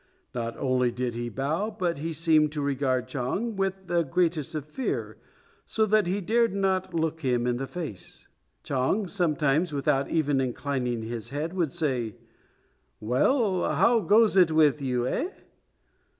Not only did he bow, but he seemed to regard Chang with the greatest of fear, so that he dared not look him in the face. Chang, sometimes, without even inclining his head, would say, "Well, how goes it with you, eh?"